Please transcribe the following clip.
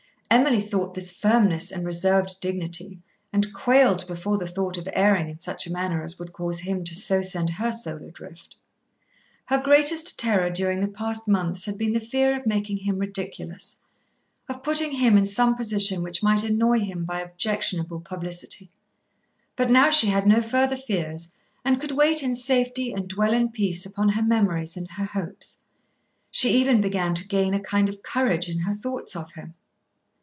Emily thought this firmness and reserved dignity, and quailed before the thought of erring in such a manner as would cause him to so send her soul adrift. Her greatest terror during the past months had been the fear of making him ridiculous, of putting him in some position which might annoy him by objectionable publicity. But now she had no further fears, and could wait in safety and dwell in peace upon her memories and her hopes. She even began to gain a kind of courage in her thoughts of him.